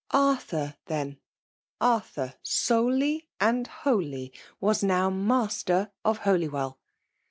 Arthur, then, Arthur solely and wholly, was now master of HolywcU !